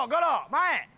前！